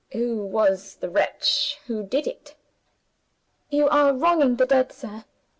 "Who was the wretch who did it?" "You are wronging the dead, sir!